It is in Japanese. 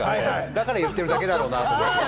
だから言ってるんだろうなって。